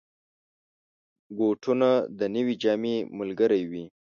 بوټونه د نوې جامې ملګري وي.